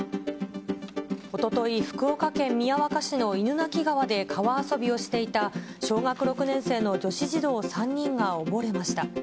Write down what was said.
おととい、福岡県宮若市の犬鳴川で川遊びをしていた小学６年生の女子児童３人が溺れました。